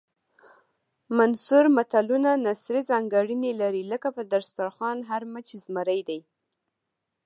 منثور متلونه نثري ځانګړنې لري لکه په دسترخوان هر مچ زمری دی